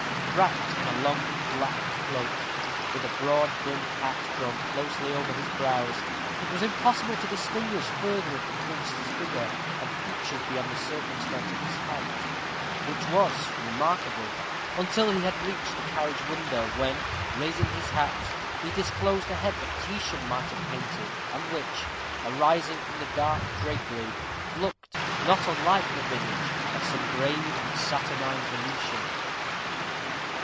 Wrapped in a long black cloak, with a broad brimmed hat drawn closely over his brows, it was impossible to distinguish further of the priest's figure and features beyond the circumstance of his height, which was remarkable, until he had reached the carriage window, when, raising his hat, he disclosed a head that Titian might have painted, and which, arising from the dark drapery, looked not unlike the visage of some grave and saturnine Venetian.